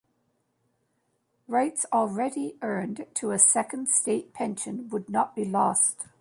Rights already earned to a Second State Pension would not be lost.